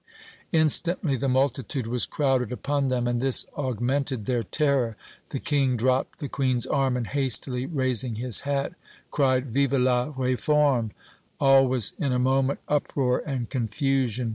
Instantly the multitude was crowded upon them, and this augmented their terror. The King dropped the Queen's arm and hastily raising his hat cried, "Vive la Réforme!" All was in a moment uproar and confusion.